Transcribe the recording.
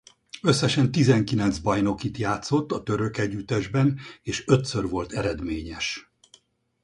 Összesen tizenkilenc bajnokit játszott a török együttesben és ötször volt eredményes.